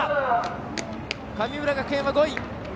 神村学園は５位。